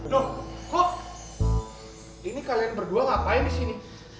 doh kok ini kalian berdua ngapain di sini